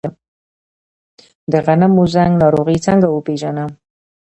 د غنمو زنګ ناروغي څنګه وپیژنم؟